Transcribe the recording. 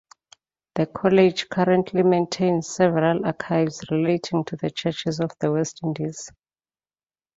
The college currently maintains several archives relating to the churches of the West Indies.